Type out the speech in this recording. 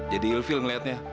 jadi ilfil ngeliatnya